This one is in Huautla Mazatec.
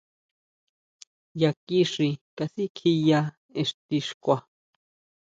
Yá kixí kasikʼiya exti xkua.